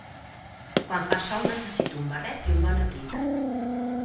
Quan fa sol necessito un barret i un bon abric.